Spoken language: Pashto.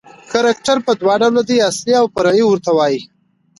کرکټر په دوه ډوله دئ، اصلي اوفرعي ورته وايي.